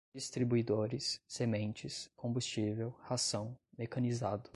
distribuidores, sementes, combustível, ração, mecanizado